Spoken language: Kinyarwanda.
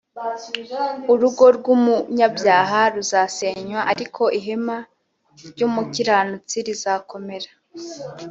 urugo rwumunyabyaha ruzasenywa, ariko ihema ry’umukiranutsi rizakomera